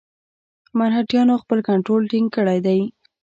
مرهټیانو خپل کنټرول ټینګ کړی دی.